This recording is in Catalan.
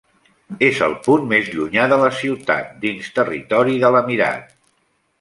És el punt més llunyà de la ciutat dins territori de l'emirat.